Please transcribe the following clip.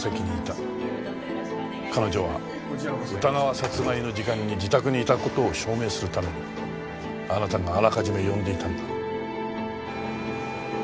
彼女は宇田川殺害の時間に自宅にいた事を証明するためにあなたがあらかじめ呼んでいたんだ。